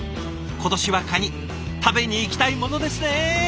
今年はカニ食べに行きたいものですね！